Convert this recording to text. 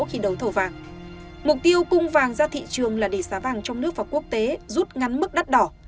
khi đấu thầu vàng mục tiêu cung vàng ra thị trường là để giá vàng trong nước và quốc tế rút ngắn mức đắt đỏ